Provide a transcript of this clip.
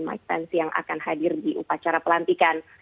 maistansi yang akan hadir di upacara pelantikan